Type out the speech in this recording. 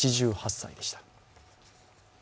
８８歳でした。